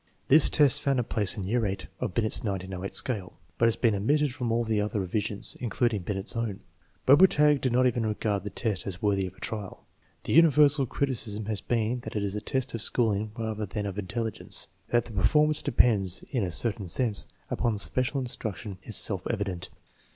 This test found a place in year VIII of Binet's 1908 scale, but has been omitted from all the other re visions, including Binet's own. Bobertag did not even regard the test as worthy, of a trial. The universal criticism has been that it is a test of schooling rather than of intelli gence. That the performance depends, in a certain sense, upon special instruction is self evident.